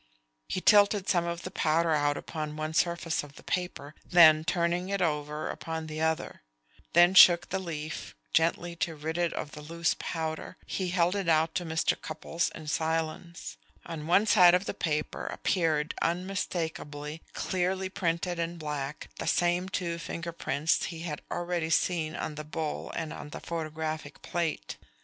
He tilted some of the powder out upon one surface of the paper, then, turning it over, upon the other; then shook the leaf gently to rid it of the loose powder. He held it out to Mr. Cupples in silence. On one side of the paper appeared unmistakably, clearly printed in black, the same two finger prints that he had already seen on the bowl and on the photographic plate.